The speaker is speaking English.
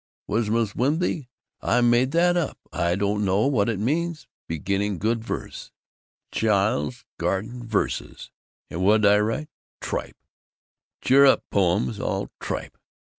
Whimzh whimsy. I made that up. I don't know what it means! Beginning good verse. Chile's Garden Verses. And whadi write? Tripe! Cheer up poems. All tripe!